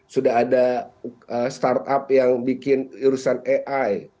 sudah ada startup yang bikin urusan ai